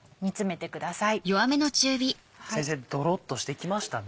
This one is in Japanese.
先生どろっとしてきましたね。